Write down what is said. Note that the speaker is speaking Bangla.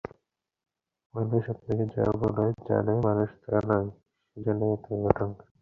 মানুষ আপনাকে যা বলে জানে মানুষ তা নয়, সেইজন্যেই এত অঘটন ঘটে।